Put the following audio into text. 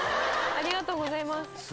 ありがとうございます。